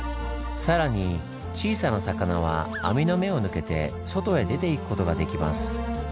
さらに小さな魚は網の目を抜けて外へ出ていくことができます。